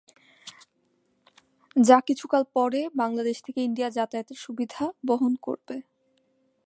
যা কিছু কাল পরে বাংলাদেশ থেকে ইন্ডিয়া যাতায়াতের সুবিধা বহন করবে।